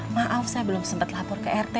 maaf saya belum sempat lapor ke rt